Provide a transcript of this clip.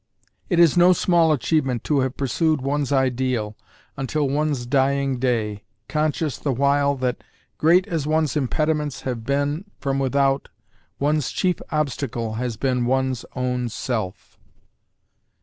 It is no small achievement to have pursued one's ideal until one's dying day, conscious the while that, great as one's impediments have been from without, one's chief obstacle has been one's own self.